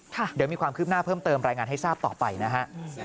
เดี๋ยวมีความคืบหน้าเพิ่มเติมรายงานให้ทราบต่อไปนะฮะ